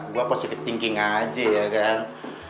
gue positif thinking aja ya kan